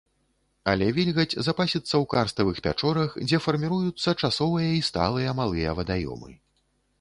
Але вільгаць запасіцца ў карставых пячорах, дзе фарміруюцца часовыя і сталыя малыя вадаёмы.